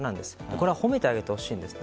これは褒めてあげてほしいんです。